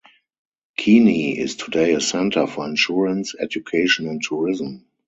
Keene is today a center for insurance, education and tourism.